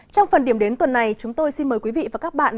trong phần điểm đến tuần này chúng tôi xin mời quý vị và các bạn